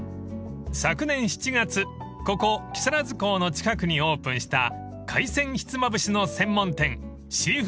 ［昨年７月ここ木更津港の近くにオープンした海鮮ひつまぶしの専門店ＳＥＡＦＯＯＤＰＡＲＫ２７］